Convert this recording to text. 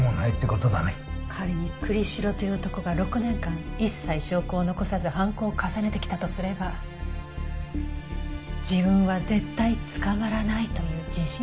仮に栗城という男が６年間一切証拠を残さず犯行を重ねてきたとすれば自分は絶対捕まらないという自信を持っているはず。